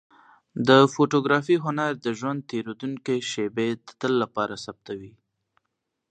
د فوتوګرافۍ هنر د ژوند تېرېدونکې شېبې د تل لپاره ثبتوي.